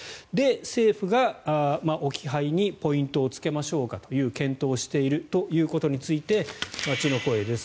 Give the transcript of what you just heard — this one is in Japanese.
政府が置き配にポイントをつけましょうかという検討をしているということについて街の声です。